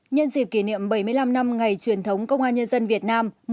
nhân dịp kỷ niệm bảy mươi năm năm ngày truyền thống công an nhân dân việt nam